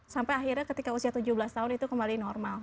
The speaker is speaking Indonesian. sampai akhirnya ketika usia tujuh belas tahun itu kembali normal